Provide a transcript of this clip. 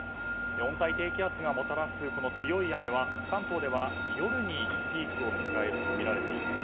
温帯低気圧がもたらす強い雨は関東では夜にピークを迎えるとみられています。